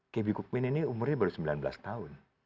kb kukmin ini umurnya baru sembilan belas tahun